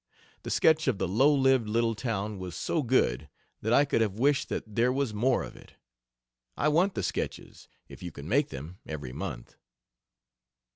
"The sketch of the low lived little town was so good that I could have wished that there was more of it. I want the sketches, if you can make them, every month."